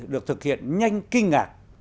được thực hiện nhanh kinh ngạc